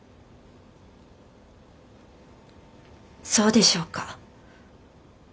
そうでしょうか。